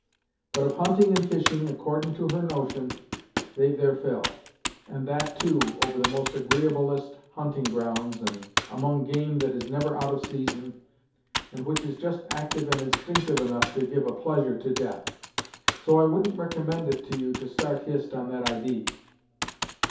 But of hunting and fishing, accordin' to her notion, they've their fill, and that, too, over the most agreeablest hunting grounds, and among game that is never out of season, and which is just actyve and instinctyve enough to give a pleasure to death. So I wouldn't ricommend it to you to start Hist on that idee."